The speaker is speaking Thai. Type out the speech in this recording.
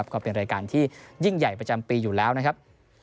ก็เป็นรายการที่ยิ่งใหญ่ประจำปีอยู่แล้วนะครับ